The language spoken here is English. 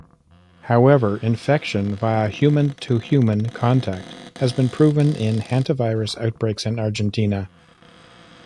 However, infection via human-to-human contact has been proven in hantavirus outbreaks in Argentina.